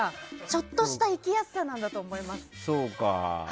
ちょっとしたいきやすさなんだと思います。